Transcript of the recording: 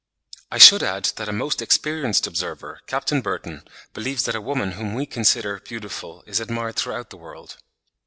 I should add that a most experienced observer, Capt. Burton, believes that a woman whom we consider beautiful is admired throughout the world.